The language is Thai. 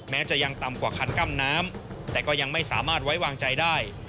แม้จะยังต่ำกว่าคันกล้ำน้ำแต่ก็ยังไม่สามารถไว้วางใจได้